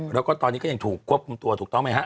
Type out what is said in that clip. แล้วก็ตอนนี้ก็ยังถูกควบคุมตัวถูกต้องไหมฮะ